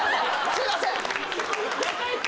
すいません